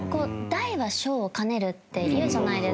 大は小を兼ねるっていうじゃないですか。